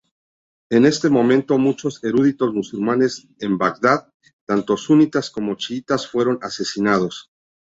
En este momento, muchos eruditos musulmanes en Bagdad, tanto sunitas como chiitas fueron asesinados.